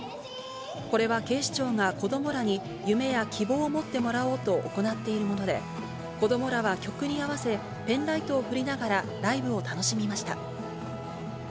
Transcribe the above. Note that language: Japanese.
これは警視庁が子どもらに夢や希望を持ってもらおうと行っているもので、子どもらは曲に合わせ、ペンライトを振りながらライブを楽しみました。